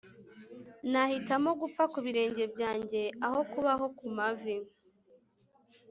nahitamo gupfa ku birenge byanjye aho kubaho ku mavi